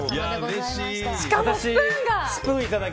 しかもスプーンが！